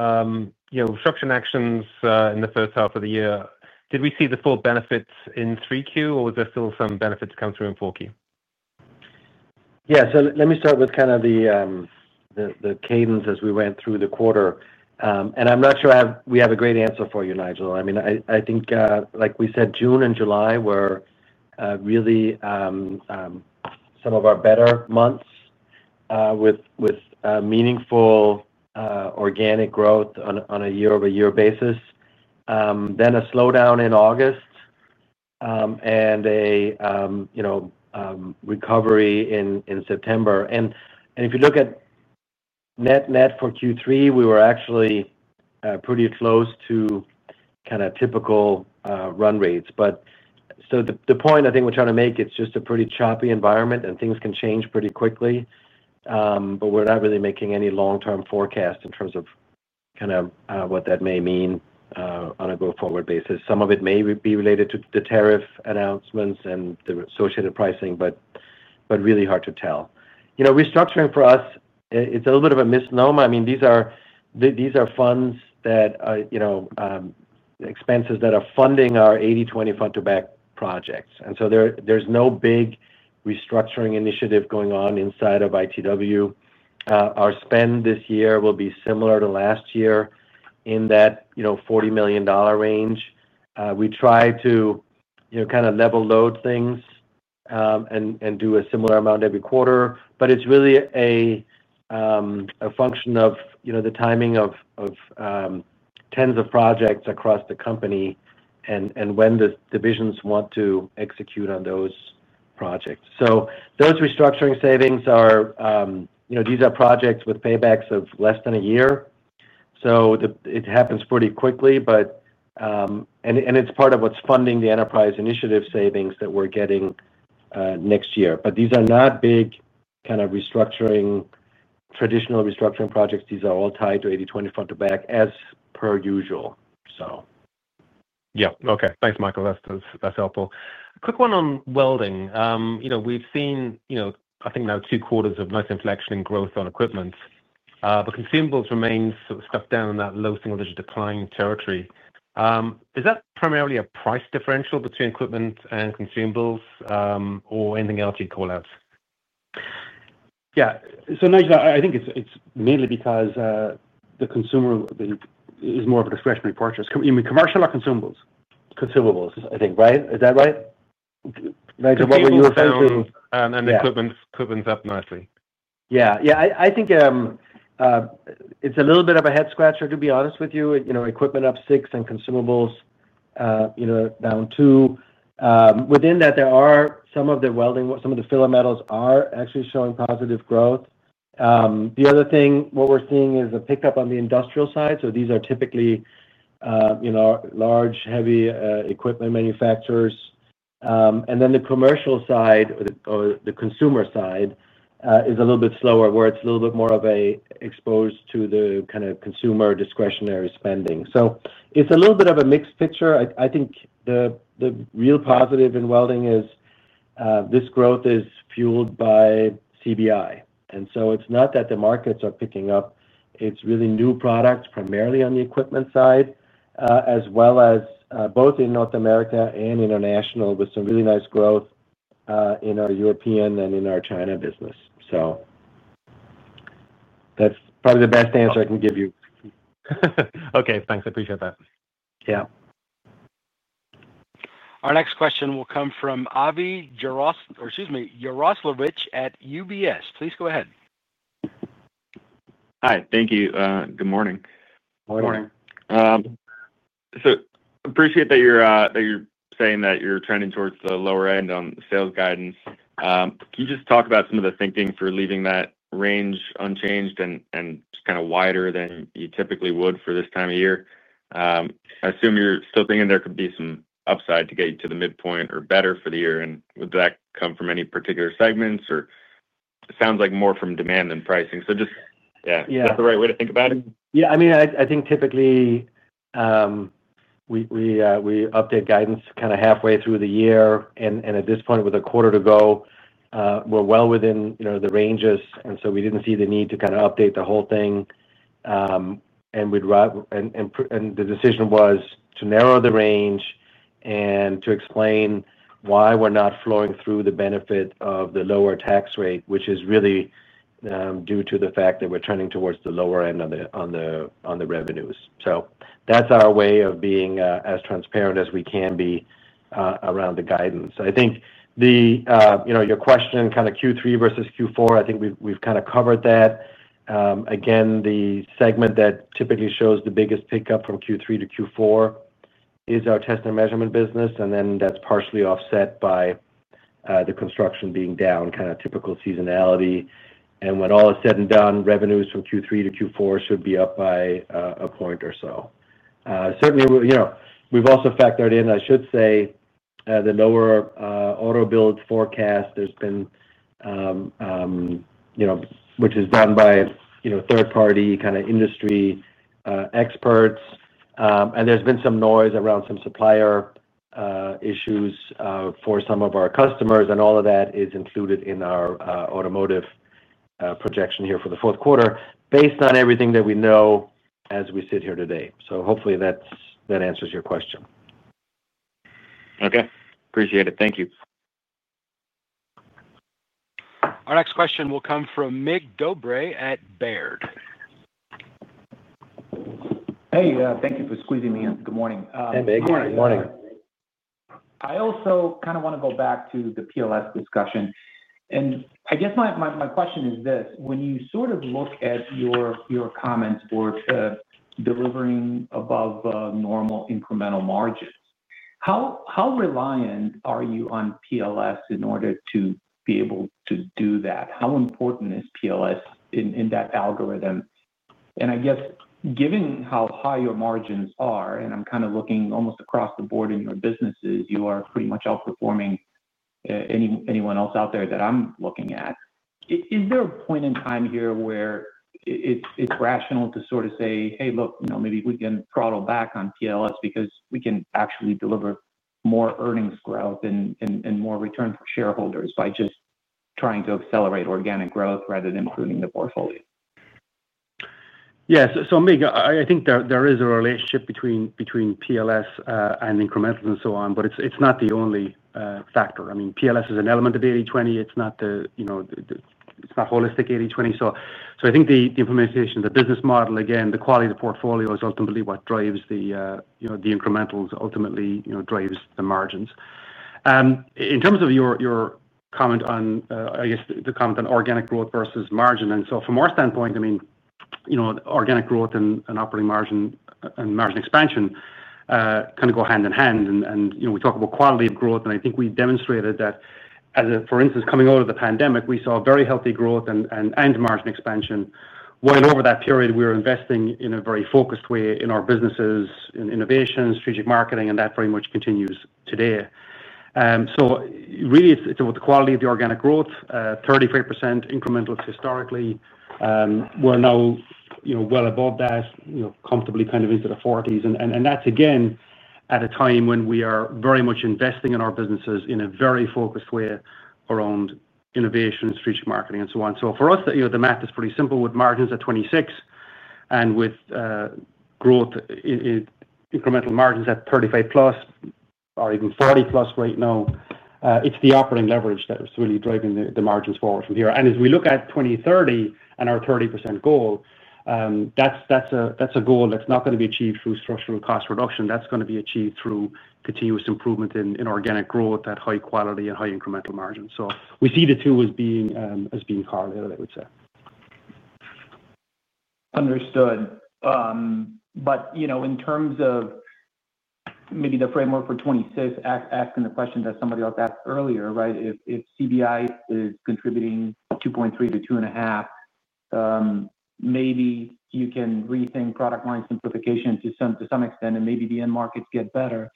you know, restructuring actions in the first half of the year. Did we see the full benefits in 3Q, or was there still some benefits to come through in 4Q? Yeah. Let me start with kind of the cadence as we went through the quarter. I'm not sure we have a great answer for you, Nigel. I mean, like we said, June and July were really some of our better months with meaningful organic growth on a year-over-year basis. There was a slowdown in August and a recovery in September. If you look at net-net for Q3, we were actually pretty close to kind of typical run rates. The point I think we're trying to make is just a pretty choppy environment, and things can change pretty quickly. We're not really making any long-term forecast in terms of kind of what that may mean on a go-forward basis. Some of it may be related to the tariff announcements and the associated pricing, but really hard to tell. Restructuring for us, it's a little bit of a misnomer. These are expenses that are funding our 80/20 front-to-back projects. There's no big restructuring initiative going on inside of Illinois Tool Works. Our spend this year will be similar to last year in that $40 million range. We try to kind of level-load things and do a similar amount every quarter. It's really a function of the timing of tens of projects across the company and when the divisions want to execute on those projects. Those restructuring savings are projects with paybacks of less than a year. It happens pretty quickly, and it's part of what's funding the enterprise initiative savings that we're getting next year. These are not big traditional restructuring projects. These are all tied to 80/20 front-to-back as per usual. Yeah. Okay. Thanks, Michael. That's helpful. A quick one on welding. We've seen, I think now two quarters of nice inflection in growth on equipment, but consumables remain sort of stuffed down in that low single-digit decline territory. Is that primarily a price differential between equipment and consumables or anything else you'd call out? Yeah. Nigel, I think it's mainly because the consumer is more of a discretionary purchase. You mean commercial or consumables? Consumables, I think, right? Is that right? Nigel, what were you referring to? Equipment's up nicely. Yeah. I think it's a little bit of a head-scratcher, to be honest with you. You know, equipment up 6% and consumables, you know, down 2%. Within that, there are some of the welding, some of the filler metals are actually showing positive growth. The other thing, what we're seeing is a pickup on the industrial side. These are typically, you know, large, heavy equipment manufacturers. The commercial side or the consumer side is a little bit slower, where it's a little bit more exposed to the kind of consumer discretionary spending. It's a little bit of a mixed picture. I think the real positive in welding is this growth is fueled by customer-backed innovation. It's not that the markets are picking up. It's really new products primarily on the equipment side, as well as both in North America and international, with some really nice growth in our European and in our China business. That's probably the best answer I can give you. Okay, thanks. I appreciate that. Yeah. Our next question will come from Avi Jaroslawicz at UBS. Please go ahead. Hi, thank you. Good morning. Morning. I appreciate that you're saying that you're trending towards the lower end on the sales guidance. Can you just talk about some of the thinking for leaving that range unchanged and just kind of wider than you typically would for this time of year? I assume you're still thinking there could be some upside to get you to the midpoint or better for the year. Would that come from any particular segments? It sounds like more from demand than pricing. Is that the right way to think about it? Yeah. I mean, I think typically we update guidance kind of halfway through the year. At this point, with a quarter to go, we're well within, you know, the ranges. We didn't see the need to kind of update the whole thing. The decision was to narrow the range and to explain why we're not flowing through the benefit of the lower tax rate, which is really due to the fact that we're trending towards the lower end on the revenues. That's our way of being as transparent as we can be around the guidance. I think the, you know, your question kind of Q3 versus Q4, I think we've kind of covered that. Again, the segment that typically shows the biggest pickup from Q3 to Q4 is our Test & Measurement business. That's partially offset by the construction being down, kind of typical seasonality. When all is said and done, revenues from Q3 to Q4 should be up by a point or so. Certainly, you know, we've also factored in, I should say, the lower auto builds forecast, which is done by, you know, third-party kind of industry experts. There's been some noise around some supplier issues for some of our customers. All of that is included in our automotive projection here for the fourth quarter based on everything that we know as we sit here today. Hopefully that answers your question. Okay. Appreciate it. Thank you. Our next question will come from Mircea Dobre at Baird. Hey, thank you for squeezing me in. Good morning. Hey, Mirc. Good morning. I also kind of want to go back to the PLS discussion. I guess my question is this: when you sort of look at your comments towards delivering above normal incremental margins, how reliant are you on PLS in order to be able to do that? How important is PLS in that algorithm? I guess given how high your margins are, and I'm kind of looking almost across the board in your businesses, you are pretty much outperforming anyone else out there that I'm looking at. Is there a point in time here where it's rational to sort of say, "Hey, look, you know, maybe we can throttle back on PLS because we can actually deliver more earnings growth and more return for shareholders by just trying to accelerate organic growth rather than pruning the portfolio"? Yeah. Mirc, I think there is a relationship between PLS and incrementals and so on, but it's not the only factor. PLS is an element of 80/20. It's not the, you know, it's not holistic 80/20. I think the implementation of the business model, again, the quality of the portfolio is ultimately what drives the, you know, the incrementals, ultimately drives the margins. In terms of your comment on, I guess, the comment on organic growth versus margin, from our standpoint, I mean, you know, organic growth and operating margin and margin expansion kind of go hand in hand. You know, we talk about quality of growth. I think we demonstrated that, as a, for instance, coming out of the pandemic, we saw very healthy growth and margin expansion. Over that period, we were investing in a very focused way in our businesses, in innovation, strategic marketing, and that very much continues today. Really, it's about the quality of the organic growth, 33% incrementals historically. We're now, you know, well above that, you know, comfortably kind of into the 40s. That's, again, at a time when we are very much investing in our businesses in a very focused way around innovation and strategic marketing and so on. For us, you know, the math is pretty simple. With margins at 26% and with growth in incremental margins at 35% plus or even 40%+ right now, it's the operating leverage that is really driving the margins forward from here. As we look at 2030 and our 30% goal, that's a goal that's not going to be achieved through structural cost reduction. That's going to be achieved through continuous improvement in organic growth at high quality and high incremental margins. We see the two as being correlated, I would say. Understood. In terms of maybe the framework for 2026, asking the question that somebody else asked earlier, if customer-backed innovation is contributing 2.3%-2.5%, maybe you can rethink product line simplification to some extent and maybe the end markets get better.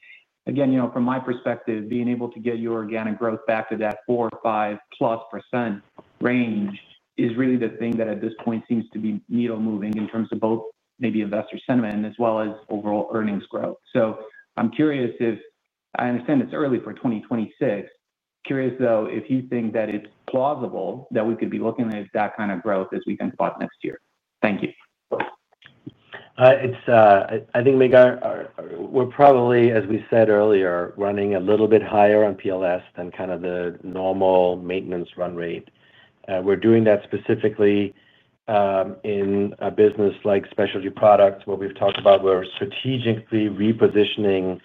From my perspective, being able to get your organic growth back to that 4%-5%+ range is really the thing that at this point seems to be needle moving in terms of both maybe investor sentiment as well as overall earnings growth. I'm curious if I understand it's early for 2026. Curious, though, if you think that it's plausible that we could be looking at that kind of growth as we think about next year. Thank you. I think, Mirc, we're probably, as we said earlier, running a little bit higher on PLS than kind of the normal maintenance run rate. We're doing that specifically in a business like specialty products where we've talked about we're strategically repositioning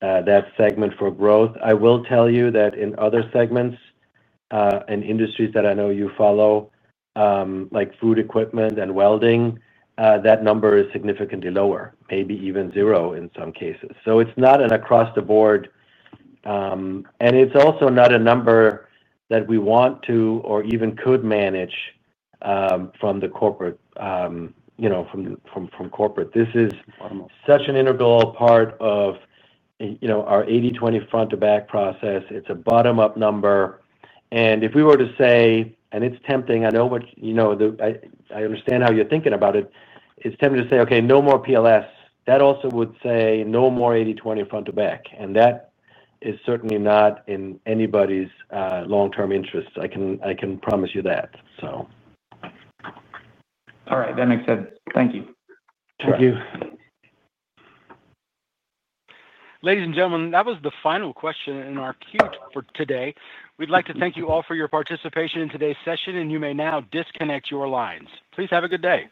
that segment for growth. I will tell you that in other segments and industries that I know you follow, like food equipment and welding, that number is significantly lower, maybe even zero in some cases. It's not an across the board. It's also not a number that we want to or even could manage from corporate. This is such an integral part of our 80/20 front-to-back process. It's a bottom-up number. If we were to say, and it's tempting, I know what, I understand how you're thinking about it. It's tempting to say, "Okay, no more PLS." That also would say, "No more 80/20 front-to-back." That is certainly not in anybody's long-term interest. I can promise you that, so. All right, that makes sense. Thank you. Thank you. Ladies and gentlemen, that was the final question in our queue for today. We'd like to thank you all for your participation in today's session, and you may now disconnect your lines. Please have a good day.